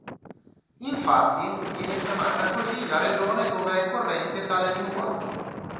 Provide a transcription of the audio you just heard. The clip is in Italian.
Infatti viene chiamata così la regione dove è corrente tale linguaggio.